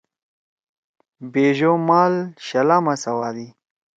بیش او مال شلا ما سوادی۔